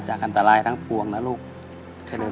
เชิญคุณพ่อค่ะ